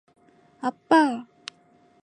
아빠!